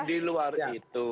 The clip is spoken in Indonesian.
di luar itu